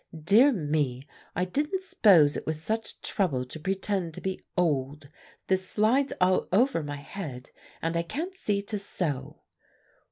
"Dear me, I didn't s'pose it was such trouble to pretend to be old this slides all over my head, and I can't see to sew.